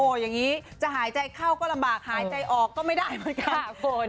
อย่างนี้จะหายใจเข้าก็ลำบากหายใจออกก็ไม่ได้เหมือนกันคุณ